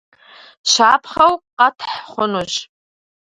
Щапхъэу къэтхь хъунущ.